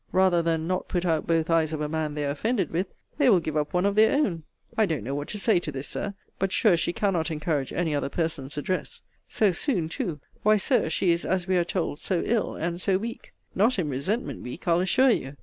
Rather than not put out both eyes of a man they are offended with, they will give up one of their own. I don't know what to say to this, Sir: but sure she cannot encourage any other person's address! So soon too Why, Sir, she is, as we are told, so ill, and so weak Not in resentment weak, I'll assure you.